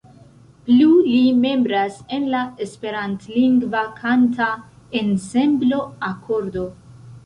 Plu li membras en la esperantlingva kanta ensemblo Akordo.